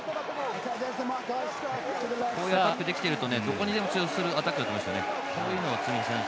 こういうアタックできてると、どこにでも通用するアタックだと思いますね。